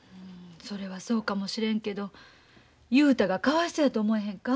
それはそうかもしれんけど雄太がかわいそうやと思えへんか？